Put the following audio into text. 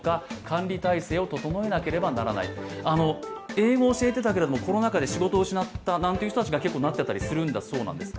英語を教えていたけれどもコロナ禍で仕事を失ったという方たちが結構なってたりするんだそうです。